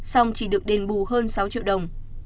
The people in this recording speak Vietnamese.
xong chỉ được đền bù hơn sáu triệu đồng